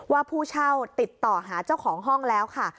ผู้เช่าติดต่อหาเจ้าของห้องแล้วค่ะ